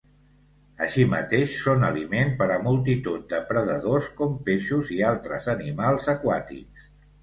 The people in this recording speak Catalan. Així mateix són aliment per a multitud de predadors com peixos i altres animals aquàtics.